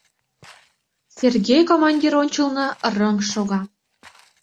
Сергей командир ончылно рыҥ шога.